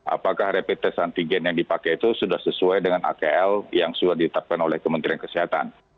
apakah rapid test antigen yang dipakai itu sudah sesuai dengan akl yang sudah ditetapkan oleh kementerian kesehatan